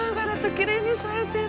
きれいに咲いてる。